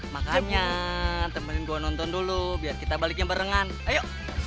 makanya temenin gue nonton dulu biar kita baliknya barengan ayo